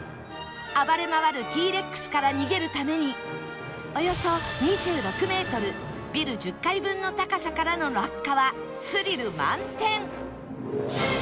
暴れ回る Ｔ− レックスから逃げるためにおよそ２６メートルビル１０階分の高さからの落下はスリル満点！